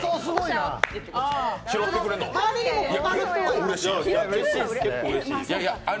結構うれしいやん。